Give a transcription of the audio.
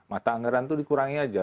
mata anggaran itu dikurangi aja